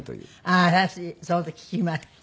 ああ私その時聴きました。